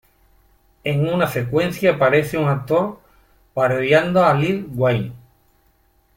En una secuencia aparece un actor parodiando a Lil Wayne.